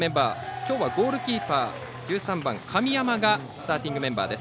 きょうはゴールキーパー１３番神山がスターティングメンバーです。